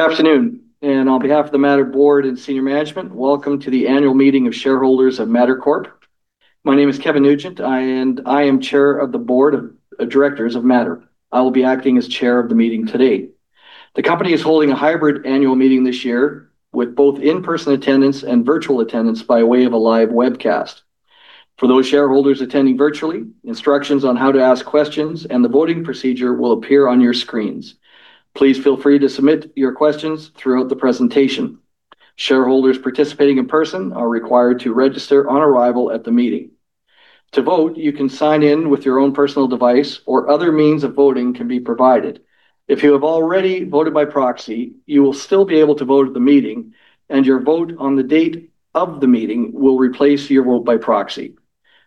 Good afternoon, on behalf of the Mattr board and senior management, welcome to the annual meeting of shareholders of Mattr Corp. My name is Kevin Nugent, I am Chair of the Board of Directors of Mattr. I will be acting as Chair of the meeting today. The company is holding a hybrid annual meeting this year with both in-person attendance and virtual attendance by way of a live webcast. For those shareholders attending virtually, instructions on how to ask questions and the voting procedure will appear on your screens. Please feel free to submit your questions throughout the presentation. Shareholders participating in person are required to register on arrival at the meeting. To vote, you can sign in with your own personal device or other means of voting can be provided. If you have already voted by proxy, you will still be able to vote at the meeting, and your vote on the date of the meeting will replace your vote by proxy.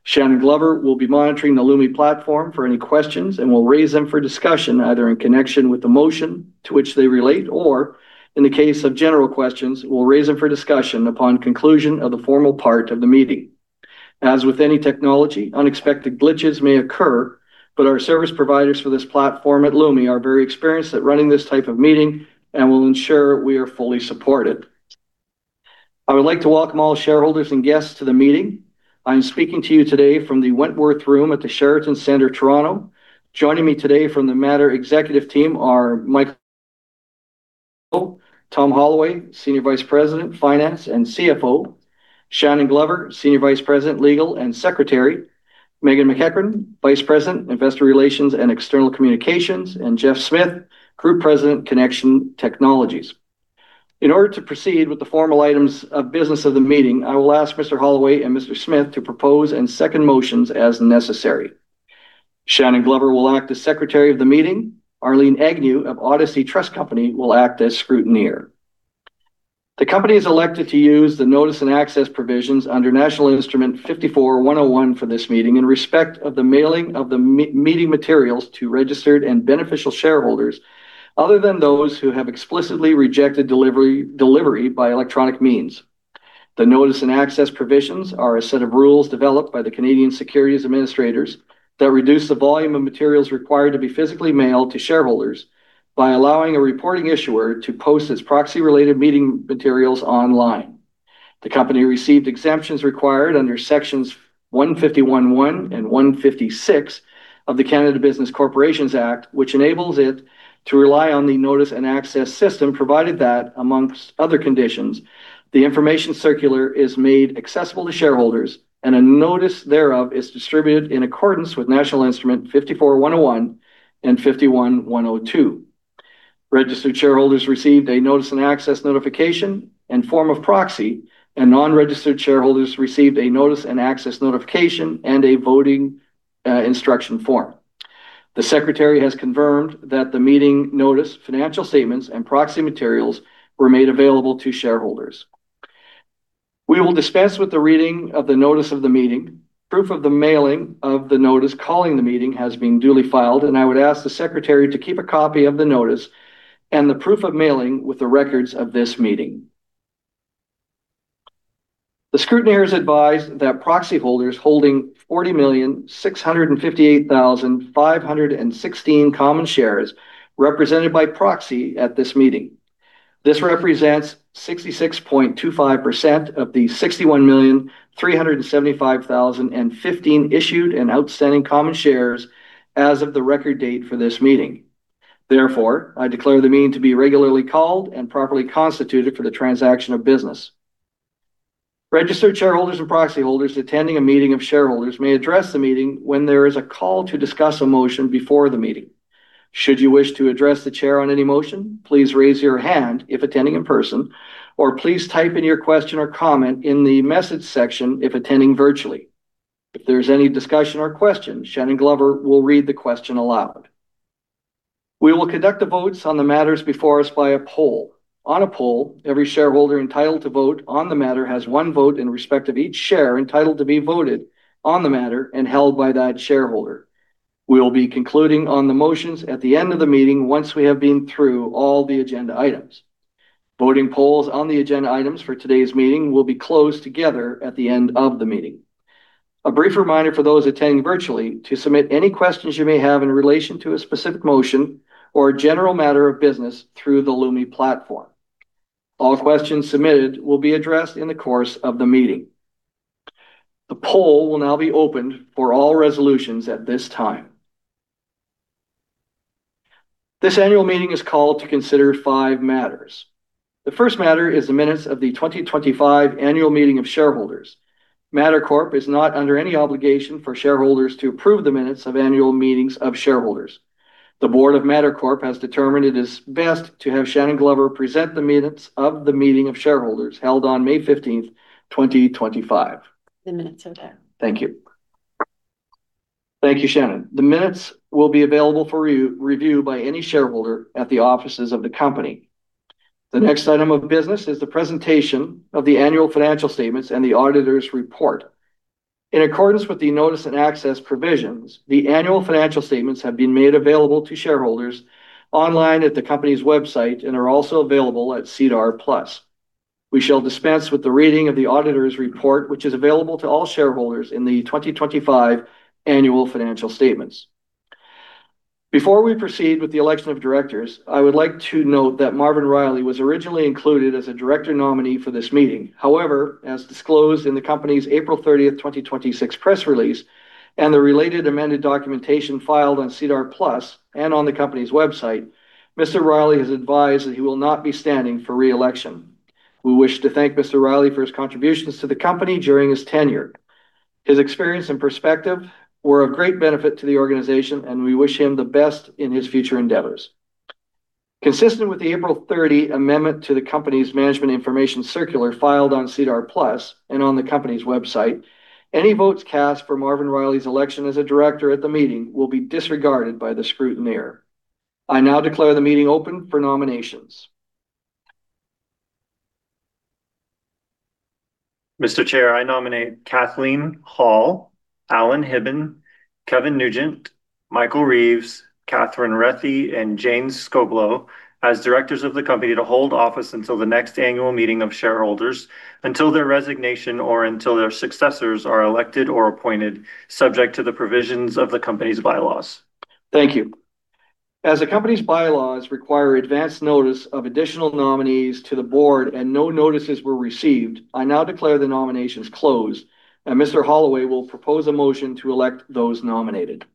Shannon Glover will be monitoring the Lumi platform for any questions and will raise them for discussion, either in connection with the motion to which they relate or, in the case of general questions, will raise them for discussion upon conclusion of the formal part of the meeting. As with any technology, unexpected glitches may occur, but our service providers for this platform at Lumi are very experienced at running this type of meeting and will ensure we are fully supported. I would like to welcome all shareholders and guests to the meeting. I am speaking to you today from the Wentworth Room at the Sheraton Centre, Toronto. Joining me today from the Mattr executive team are Tom Holloway, Senior Vice President, Finance, and CFO, Shannon Glover, Senior Vice President, Legal and Secretary, Meghan MacEachern, Vice President, Investor Relations & External Communications, and Geoff Smith, Group President, Connection Technologies. In order to proceed with the formal items of business of the meeting, I will ask Mr. Holloway and Mr. Smith to propose and second motions as necessary. Shannon Glover will act as Secretary of the meeting. Arlene Agnew of Odyssey Trust Company will act as Scrutineer. The company has elected to use the notice and access provisions under National Instrument 54-101 for this meeting in respect of the mailing of the meeting materials to registered and beneficial shareholders other than those who have explicitly rejected delivery by electronic means. The notice and access provisions are a set of rules developed by the Canadian Securities Administrators that reduce the volume of materials required to be physically mailed to shareholders by allowing a reporting issuer to post its proxy related meeting materials online. The company received exemptions required under sections 151.1 and 156 of the Canada Business Corporations Act, which enables it to rely on the notice and access system, provided that among other conditions, the information circular is made accessible to shareholders and a notice thereof is distributed in accordance with National Instrument 54-101 and 51-102. Registered shareholders received a notice and access notification and form of proxy, and non-registered shareholders received a notice and access notification and a voting instruction form. The secretary has confirmed that the meeting notice, financial statements, and proxy materials were made available to shareholders. We will dispense with the reading of the notice of the meeting. Proof of the mailing of the notice calling the meeting has been duly filed. I would ask the secretary to keep a copy of the notice and the proof of mailing with the records of this meeting. The scrutineer has advised that proxy holders holding 40,658,516 common shares represented by proxy at this meeting. This represents 66.25% of the 61,375,015 issued and outstanding common shares as of the record date for this meeting. Therefore, I declare the meeting to be regularly called and properly constituted for the transaction of business. Registered shareholders and proxy holders attending a meeting of shareholders may address the meeting when there is a call to discuss a motion before the meeting. Should you wish to address the chair on any motion, please raise your hand if attending in person, or please type in your question or comment in the message section if attending virtually. If there's any discussion or question, Shannon Glover will read the question aloud. We will conduct the votes on the matters before us via poll. On a poll, every shareholder entitled to vote on the matter has 1 vote in respect of each share entitled to be voted on the matter and held by that shareholder. We will be concluding on the motions at the end of the meeting once we have been through all the agenda items. Voting polls on the agenda items for today's meeting will be closed together at the end of the meeting. A brief reminder for those attending virtually to submit any questions you may have in relation to a specific motion or a general matter of business through the Lumi platform. All questions submitted will be addressed in the course of the meeting. The poll will now be opened for all resolutions at this time. This annual meeting is called to consider five matters. The first matter is the minutes of the 2025 annual meeting of shareholders. Mattr Corp. is not under any obligation for shareholders to approve the minutes of annual meetings of shareholders. The board of Mattr Corp. has determined it is best to have Shannon Glover present the minutes of the meeting of shareholders held on May 15th, 2025. The minutes are there. Thank you, Shannon. The minutes will be available for re-review by any shareholder at the offices of the company. The next item of business is the presentation of the annual financial statements and the auditor's report. In accordance with the notice and access provisions, the annual financial statements have been made available to shareholders online at the company's website and are also available at SEDAR+. We shall dispense with the reading of the auditor's report, which is available to all shareholders in the 2025 annual financial statements. Before we proceed with the election of directors, I would like to note that Marvin Riley was originally included as a director nominee for this meeting. As disclosed in the company's April 30th, 2026 press release and the related amended documentation filed on SEDAR+ and on the company's website, Mr. Riley has advised that he will not be standing for re-election. We wish to thank Mr. Riley for his contributions to the company during his tenure. His experience and perspective were of great benefit to the organization, and we wish him the best in his future endeavors. Consistent with the April 30th amendment to the company's management information circular filed on SEDAR+ and on the company's website, any votes cast for Marvin Riley's election as a director at the meeting will be disregarded by the scrutineer. I now declare the meeting open for nominations. Mr. Chair, I nominate Kathleen Hall, Alan Hibben, Kevin Nugent, Mike Reeves, Katherine A. Rethy, and Jane Skoblo as directors of the company to hold office until the next annual meeting of shareholders, until their resignation or until their successors are elected or appointed, subject to the provisions of the company's bylaws. Thank you. As the company's bylaws require advanced notice of additional nominees to the board and no notices were received, I now declare the nominations closed, and Mr. Holloway will propose a motion to elect those nominated.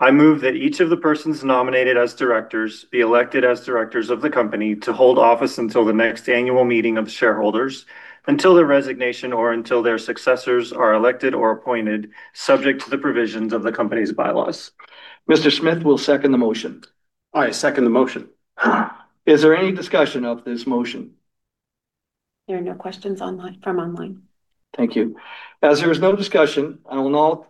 I move that each of the persons nominated as directors be elected as directors of the company to hold office until the next annual meeting of shareholders, until their resignation or until their successors are elected or appointed, subject to the provisions of the company's bylaws. Mr. Smith will second the motion. I second the motion. Is there any discussion of this motion? There are no questions online. Thank you. As there is no discussion, I will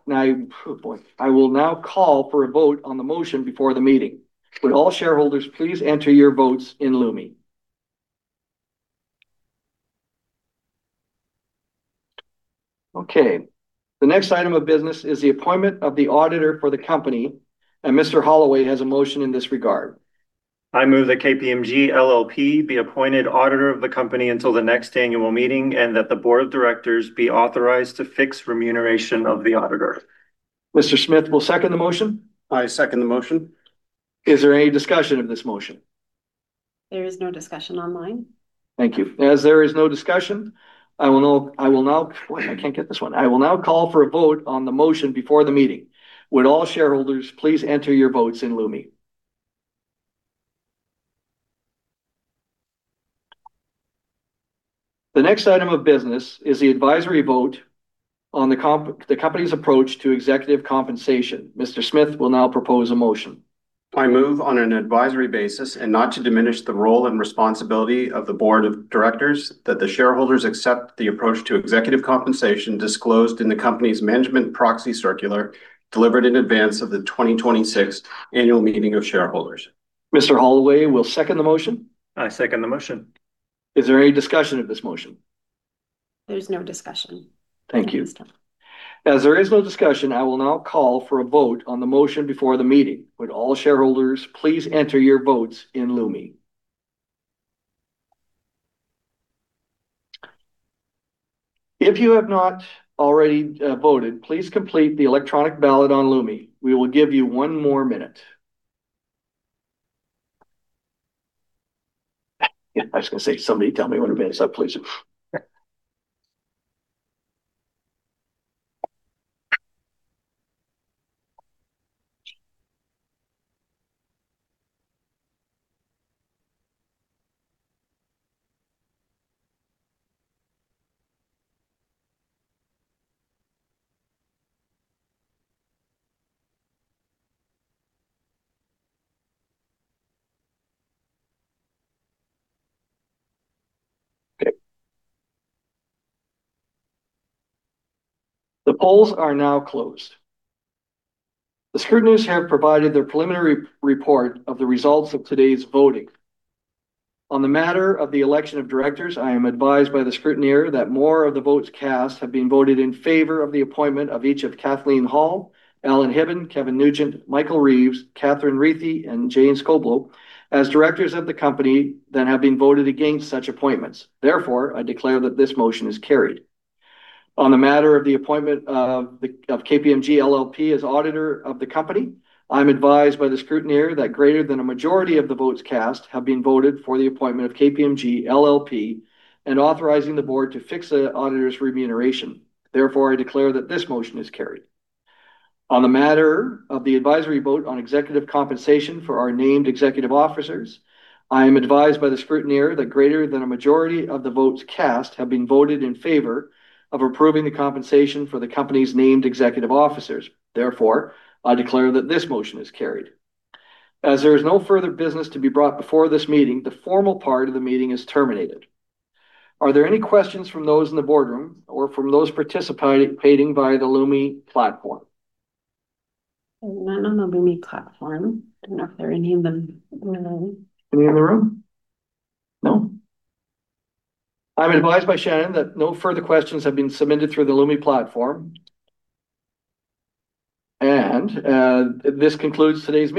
now call for a vote on the motion before the meeting. Would all shareholders please enter your votes in Lumi? Okay. The next item of business is the appointment of the auditor for the company, and Mr. Holloway has a motion in this regard. I move that KPMG LLP be appointed auditor of the company until the next annual meeting, and that the board of directors be authorized to fix remuneration of the auditor. Mr. Geoff Smith will second the motion. I second the motion. Is there any discussion of this motion? There is no discussion online. Thank you. As there is no discussion, I will now Boy, I can't get this one. I will now call for a vote on the motion before the meeting. Would all shareholders please enter your votes in Lumi. The next item of business is the advisory vote on the company's approach to executive compensation. Mr. Geoff Smith will now propose a motion. I move on an advisory basis and not to diminish the role and responsibility of the board of directors, that the shareholders accept the approach to executive compensation disclosed in the company's management proxy circular delivered in advance of the 2026 annual meeting of shareholders. Mr. Holloway will second the motion. I second the motion. Is there any discussion of this motion? There's no discussion. Thank you this time. As there is no discussion, I will now call for a vote on the motion before the meeting. Would all shareholders please enter your votes in Lumi. If you have not already voted, please complete the electronic ballot on Lumi. We will give you one more minute. I was gonna say, somebody tell me when a minute's up, please. Okay. The polls are now closed. The scrutineers have provided their preliminary report of the results of today's voting. On the matter of the election of directors, I am advised by the scrutineer that more of the votes cast have been voted in favor of the appointment of each of Kathleen Hall, Alan Hibben, Kevin Nugent, Mike Reeves, Katherine A. Rethy, and Jane Skoblo as directors of the company than have been voted against such appointments. Therefore, I declare that this motion is carried. On the matter of the appointment of KPMG LLP as auditor of the company, I'm advised by the scrutineer that greater than a majority of the votes cast have been voted for the appointment of KPMG LLP and authorizing the board to fix the auditor's remuneration. Therefore, I declare that this motion is carried. On the matter of the advisory vote on executive compensation for our named executive officers, I am advised by the scrutineer that greater than a majority of the votes cast have been voted in favor of approving the compensation for the company's named executive officers. Therefore, I declare that this motion is carried. As there is no further business to be brought before this meeting, the formal part of the meeting is terminated. Are there any questions from those in the boardroom or from those participating via the Lumi platform? None on the Lumi platform. Don't know if there are any of them in the room. Any in the room? No. I'm advised by Shannon that no further questions have been submitted through the Lumi platform. This concludes today's meeting.